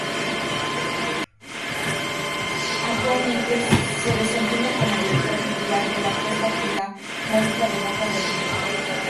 Actualmente se desempeña como Director Titular de la Orquesta Filarmónica de Boca del Río